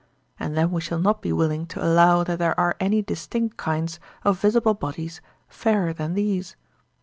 And then we shall not be willing to allow that there are any distinct kinds of visible bodies fairer than these.